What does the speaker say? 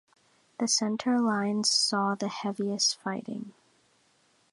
The centre lines saw the heaviest fighting.